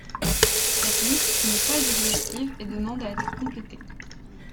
Cette liste n'est pas exhaustive et demande à être complétée.